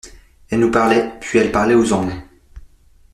Elle nous parlait, puis elle parlait aux anges.